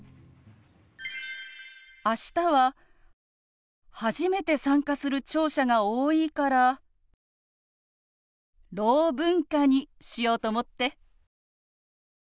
明日は初めて参加する聴者が多いから「ろう文化」にしようと思って。